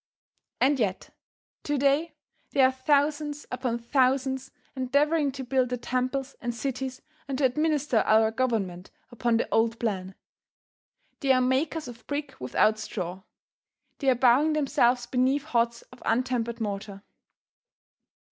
And yet, to day, there are thousands upon thousands endeavoring to build the temples and cities and to administer our Government upon the old plan. They are makers of brick without straw. They are bowing themselves beneath hods of untempered mortar.